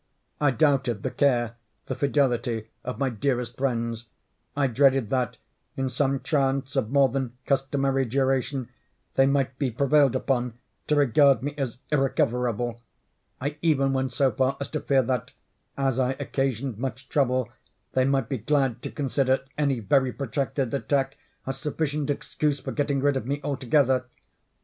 I doubted the care, the fidelity of my dearest friends. I dreaded that, in some trance of more than customary duration, they might be prevailed upon to regard me as irrecoverable. I even went so far as to fear that, as I occasioned much trouble, they might be glad to consider any very protracted attack as sufficient excuse for getting rid of me altogether.